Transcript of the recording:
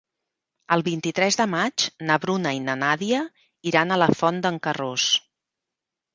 El vint-i-tres de maig na Bruna i na Nàdia iran a la Font d'en Carròs.